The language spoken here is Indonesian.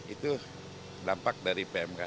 itu dampak dari pmk